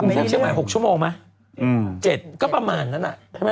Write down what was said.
๖ชั่วโมงไหม๗ก็ประมาณนั้น